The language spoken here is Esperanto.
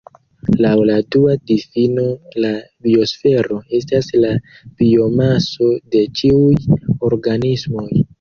Laŭ la dua difino la biosfero estas la biomaso de ĉiuj organismoj.